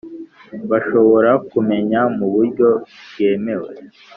bashobora kumenya mu buryo bwemewe